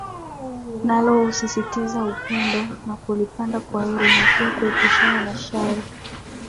Nalo husisitiza upendo na kulindana kwa heri na pia kuepushana na shari